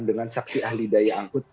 dengan saksi ahli daya angkut